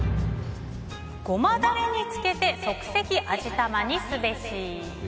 ゴマダレに漬けて即席味玉にすべし。